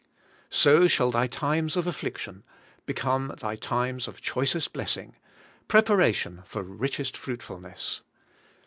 '* So shall thy times of affliction become thy times of choicest blessing, — preparation for richest fruitful ness.